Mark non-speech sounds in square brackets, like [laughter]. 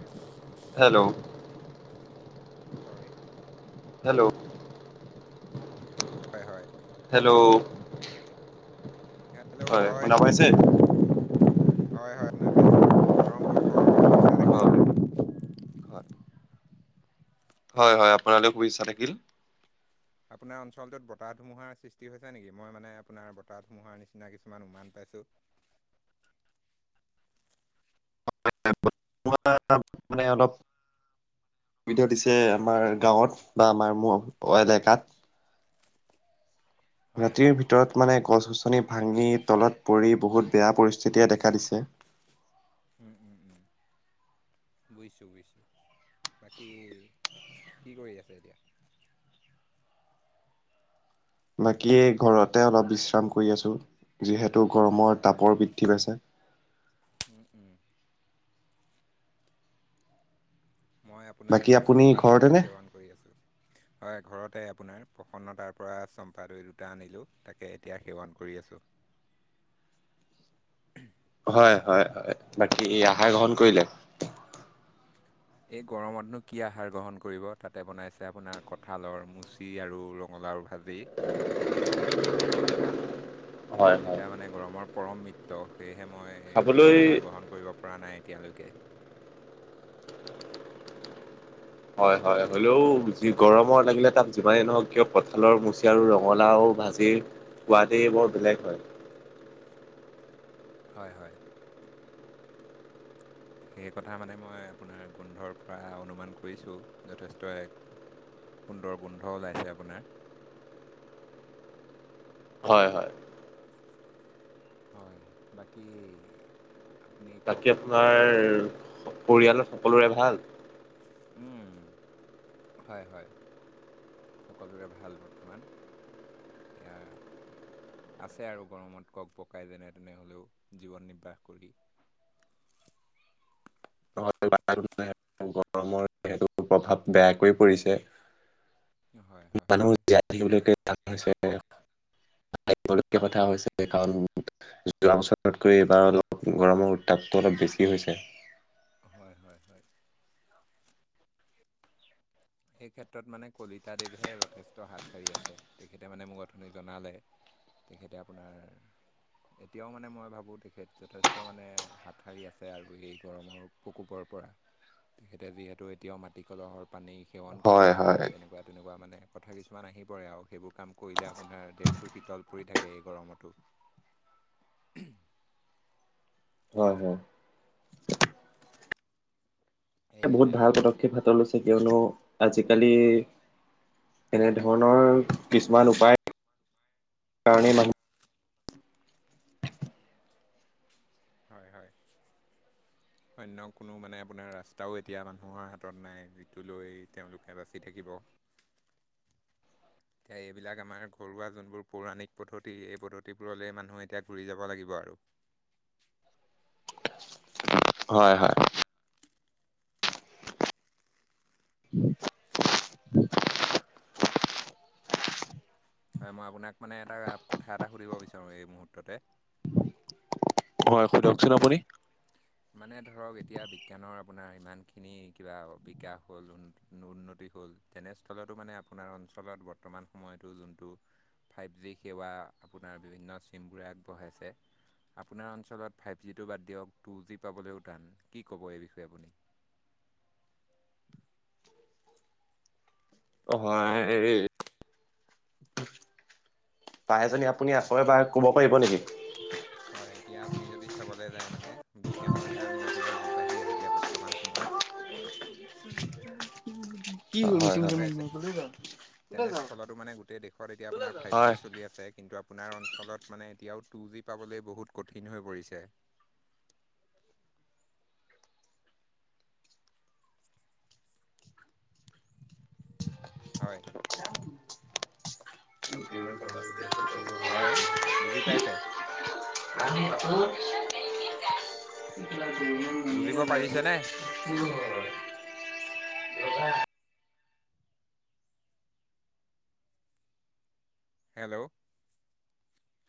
Hello hello হয় hello হয় হয় হেল্ল' হয় শুনা পাইছে হয় হয় শুনা পাই আছোঁ গৰম দিৱসৰ শুভেচ্ছা [unintelligible] হয় হয় হয় হয় আপোনালৈ শুভেচ্ছা থাকিল আপোনাৰ অঞ্চলটোত বতাহ ধুমুহাৰ সৃষ্টি হৈছে নেকি মই মানে আপোনাৰ বতাহ ধুমুহাৰ নিচিনা কিছুমান উমান পাইছোঁ [unintelligible] মানে অলপ সুবিধা দিছে আমাৰ গাঁৱত বা আমাৰ ম এলেকাত হয় ৰাতিৰ হয় ভিতৰত মানে গছ গছনি ভাঙি তলত পৰি বহুত বেয়া পৰিস্থিতিয়ে দেখা দিছে উম উম উম। বুজিছোঁ বুজিছোঁ বাকী কি কৰি আছে এতিয়া বাকী ঘৰতে অলপ বিশ্ৰাম কৰি আছোঁ‌, যিহেতু গৰমৰ হয় তাপৰ বৃদ্ধি পাইছে। [unintelligible] উম। মই আপোনাৰ বাকী এই আপুনি চম্পা দৈ ঘৰতেনে সেৱন কৰি আছোঁ। হয় ঘৰতে আপোনাৰ, প্ৰসন্নতাৰ পৰা চম্পা দৈ দুটা আনিলোঁ তাকে এতিয়া সেৱন কৰি আছোঁ। [unintelligible] হয়, হয়, হয়, বাকী আহাৰ গ্ৰহণ কৰিলে? এই গৰমতনো কি আহাৰ গ্ৰহণ কৰিব? তাতে বনাইছে আপোনাৰ কঠালৰ মুচি আৰু ৰ ৰঙলাওৰ ভাজি। [inaudible] হয় হয় দুয়োটা মানে গৰমৰ পৰম মৃত্য, সেয়েহে মই খাবলৈ আহাৰ গ্ৰহণ কৰিব পৰা নাই এতিয়ালৈকে। হয় হয়, হ'লেও যি গৰমৰ লাগিলে তাপ যিমানেই নহওক কিয়, কঁ‌ঠালৰ মুচি আৰু ৰঙালাও ভা জিৰ সোৱদে বৰ বেলেগ হয়। হয় হয়। সেই কথা মানে মই আপোনাৰ গোন্ধৰ পৰা অনুমান কৰিছোঁ, যথেষ্ট এক সুন্দৰ গোন্ধ ওলাইছে আপোনাৰ। হয় হয়। হয়, বাকী, আপুনি কওকচোন আপোনাৰ পৰিয়ালত সকলোৰে ভাল? উম, হয় হয়। সকলোৰে ভাল বৰ্তমান, এয়া আছে আৰু গৰমত কক-বকাই যেনে তেনেহ'লেও জীৱন নিৰ্বাহ কৰি। বাৰু। প্ৰভাৱ বেয়াকৈ পৰিছে। হয়-হয়-হয়। [unintelligible] যোৱা বছৰতকৈ এইবাৰ অলপ গৰমৰ উত্তাপটো অলপ বেছি হৈছে। হয় হয় হয়। এইেই ক্ষেত্ৰত মানে কলিতা দেৱহে যথেষ্ট হাত সাৰি আছে, তেখেতে মানে মোক অথনি জনালে তেখেতে আপোনাৰ এতিয়াও মানে মই ভাবোঁ তেখেত যথেষ্ট মানে হাত সাৰি আছে আৰু, এই গৰমৰ প্ৰকোপৰ পৰা, তেখেতে যিহেতু এতিয়াও মাটি কলহৰ পানী সেৱন কৰে, হয় হয় তেনেকুৱা তেনেকুৱা মানে। কথা কিছুমান আহি পৰে আৰু, সেইবোৰ কাম কৰিলে আপোনাৰ দেহটো শীতল পৰি থাকে এই গৰমতো। [inaudible] হয় হয়। এ বহুত এয়াই ভাল আৰু পদক্ষেপ হাতত লৈছে কিয়নো আজিকালি এনেধৰণৰ কিছুমান উপায় কাৰণেই মানুহ হয় হয়। [inaudible] অন্য কোনো মানে আপোনাৰ ৰাস্তাও এতিয়া মানুহৰ হাতত নাই যিটো লৈ তেওঁলোকে বাচি থাকিব। এতিয়া এইবিলাক আমাৰ ঘৰুৱা যোনবোৰ পৌৰাণিক পদ্ধতি, এই পদ্ধতিবোৰলৈ মানুহে এতিয়া ঘূৰি যাব লাগিব আৰু। হয় হয়। [inaudible] [inaudible] হয় মই আপোনাক মানে এটা কথা এটা সুধিব বিচাৰোঁ এই মুহূৰ্ততে। হয় সুধোকচোন আপুনি। মানে ধৰক এতিয়া বিজ্ঞানৰ আপোনাৰ ইমানখিনি কিবা বিকাশ হ'ল উন উন্নতি হ'ল। তেনেস্থলতো মানে আপোনাৰ অঞ্চলত বৰ্তমান সময়তো যোনটো ফাইভ জি সেৱা আপোনাৰ বিভিন্ন চিমবোৰে আগবঢ়াইছে আপোনাৰ অঞ্চলত ফাইভ জিটো বাদ দিয়ক টু জি পাবলৈও টান, কি ক'ব এই বিষয়ে আপুনি? অ হয় এই পাৰে যদি আপুনি আকৌ এবাৰ ক'ব পাৰিব নেকি? হয় এতিয়া আপুনি যদি চাবলৈ যায় মানে বিজ্ঞানৰ ইমান আপোনাৰ আগবাঢ়ি আহিলে বৰ্তমান সময়ত কি হ'ল মিচিং বুজি মিচিং মাৰিব পাইছে, কলৈ গ'ল কলৈ যাওঁ তেনেস্থলতো মানে গোটেই দেশত এতিয়া আপোনাৰ ফাইভ জি চলি আছে কিন্তু আপোনাৰ অঞ্চলত মানে এতিয়াও টু জি পাবলৈ বহুত কঠিন হৈ পৰিছে। [inaudible] হয় হয় বুজি [inaudible] পাইছে [inaudible] বুজিব পাৰিছেনে [inaudible] [inaudible] হেল্ল'।